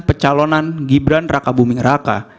pecalonan gibran raka buming raka